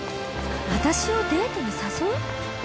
私をデートに誘う？